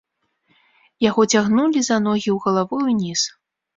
Яго цягнулі за ногі галавой уніз.